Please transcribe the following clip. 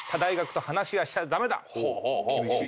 厳しい。